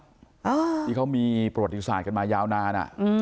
ที่เขามีประวัติศาสตร์กันมายาวนานอ่ะอืม